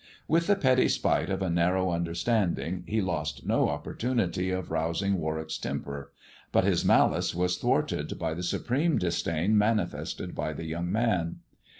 With the petty spite of a narrow understanding he lost no opportunity of rousing Warwick's temper ; but his malice was thwarted by the supreme disdain manifested by the young man.